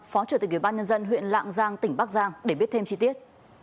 phó chủ tịch ubnd huyện lạng giang tỉnh bắc giang để biết thêm chi tiết